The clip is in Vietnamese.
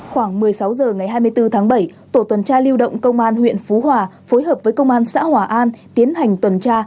khoảng một mươi sáu h ngày hai mươi bốn tháng bảy tổ tuần tra lưu động công an huyện phú hòa phối hợp với công an xã hòa an tiến hành tuần tra